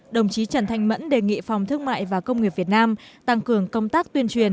đồng chí trần thanh mẫn đề nghị phòng thương mại và công nghiệp việt nam tăng cường công tác tuyên truyền